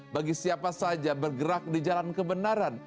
bagi siapa saja bergerak di jalan kebenaran